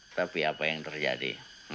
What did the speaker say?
tapi apa yang terjadi